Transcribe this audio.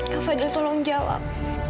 kak fadil tolong jawab